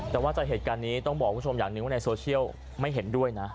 แต่ว่าจากเหตุการณ์นี้ต้องบอกคุณผู้ชมอย่างหนึ่งว่าในโซเชียลไม่เห็นด้วยนะ